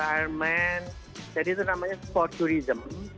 ironman jadi itu namanya sporturism